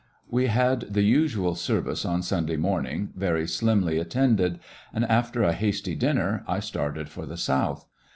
We had the usual service on Sunday mom a blizzard ing, very slimly attended, and after a hasty dinner I started for the south.